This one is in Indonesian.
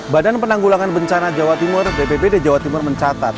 badan penanggulangan bencana jawa timur bpbd jawa timur mencatat